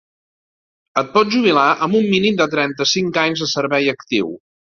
Et pots jubilar amb un mínim de trenta-cinc anys de servei actiu.